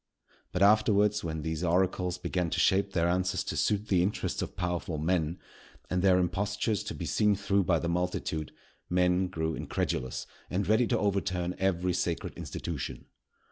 But, afterwards, when these oracles began to shape their answers to suit the interests of powerful men, and their impostures to be seen through by the multitude, men grew incredulous and ready to overturn every sacred institution.